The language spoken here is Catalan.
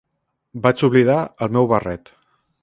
Vaig oblidar el meu barret.